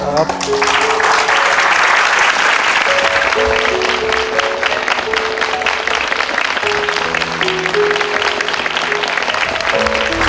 ขอบคุณครับ